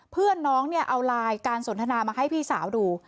เพื่อนน้องเนี่ยเอาไลน์การสนทนามาให้พี่สาวดู